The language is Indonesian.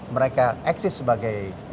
mereka eksis sebagai